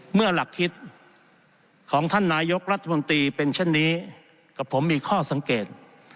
เมื่อหลักคิดของท่านนายกรัฐมนตรีเป็นเช่นนี้กับผมมีข้อสังเกต